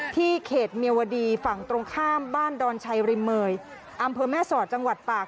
เขตเมียวดีฝั่งตรงข้ามบ้านดอนชัยริมเมยอำเภอแม่สอดจังหวัดตาก